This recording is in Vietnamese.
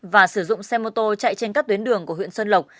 và sử dụng xe mô tô chạy trên các tuyến đường của huyện xuân lộc